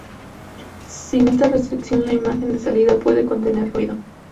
Sin esta restricción la imagen de salida puede contener ruido.